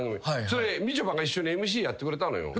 それみちょぱが一緒にＭＣやってくれたのよ。